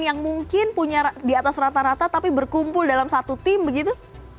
yang mungkin punya di atas rata rata tapi berkumpul dalam satu tim begitu